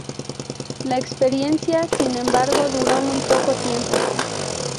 La experiencia, sin embargo, duró muy poco tiempo.